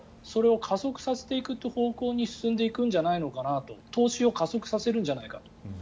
それを加速させていく方向に進んでいくんじゃないかなと投資を加速させるんじゃないかと。